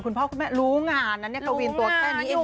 คุณพ่อคุณแม่รู้งานนะเนี่ยกวินตัวแค่นี้เอง